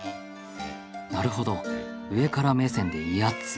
なるほど上から目線で威圧。